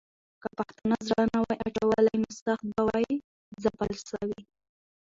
که پښتانه زړه نه وای اچولی، نو سخت به وای ځپل سوي.